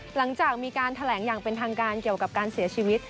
หลังจากมีการแถลงอย่างเป็นทางการเกี่ยวกับการเสียชีวิต